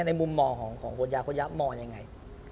ในมุมมองของคนยาโค้ยะมองยังไง